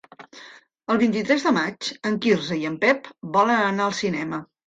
El vint-i-tres de maig en Quirze i en Pep volen anar al cinema.